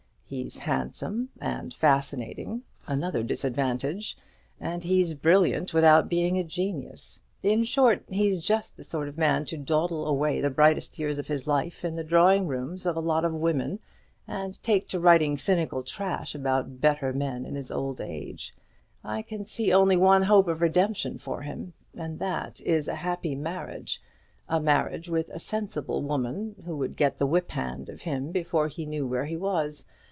He's handsome and fascinating, another disadvantage; and he's brilliant without being a genius. In short, he's just the sort of man to dawdle away the brightest years of his life in the drawing rooms of a lot of women, and take to writing cynical trash about better men in his old age. I can see only one hope of redemption for him, and that is a happy marriage; a marriage with a sensible woman, who would get the whip hand of him before he knew where he was.